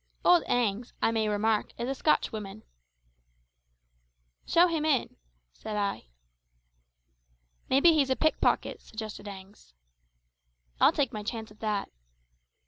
Old Agnes, I may remark, is a Scotchwoman. "Show him in," said I. "Maybe he's a pickpocket," suggested Agnes. "I'll take my chance of that."